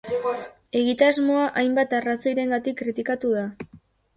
Egitasmoa hainbat arrazoirengatik kritikatu da.